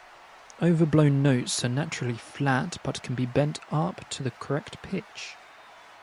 Overblow notes are naturally flat but can be bent up to the correct pitch.